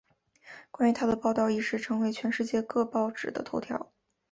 关于她的报道一时成为全世界各报纸的头条。